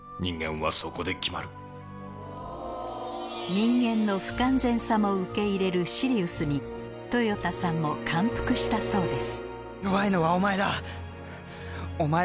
人間の不完全さも受け入れるシリウスに豊田さんも感服したそうです